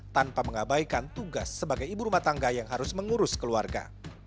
tanpa mengabaikan tugas sebagai ibu rumah tangga yang harus mengurus keluarga